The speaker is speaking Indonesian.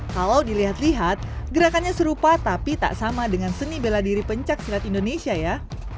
kalau dilihat lihat gerakannya serupa tapi tak sama dengan seni bela diri pencaksilat indonesia ya